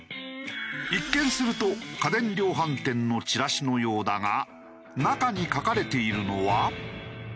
一見すると家電量販店のチラシのようだが中に書かれているのは。